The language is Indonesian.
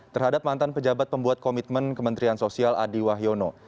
terhadap mantan pejabat pembuat komitmen kementerian sosial adi wahyono